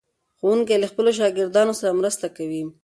ښوونکی له خپلو شاګردانو سره مرسته کوي.